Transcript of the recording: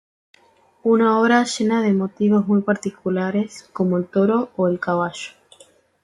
Una obra llena de motivos muy particulares como el toro o el caballo.